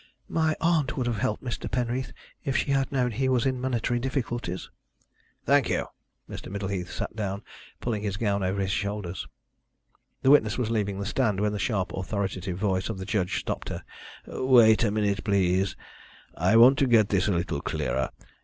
"My aunt would have helped Mr. Penreath if she had known he was in monetary difficulties." "Thank you." Mr. Middleheath sat down, pulling his gown over his shoulders. The witness was leaving the stand when the sharp authoritative voice of the judge stopped her. "Wait a minute, please, I want to get this a little clearer.